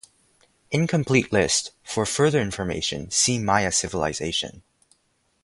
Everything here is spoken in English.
"Incomplete list - for further information, see Maya civilization"